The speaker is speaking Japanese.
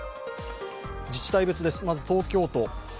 自治体別です、まず東京都。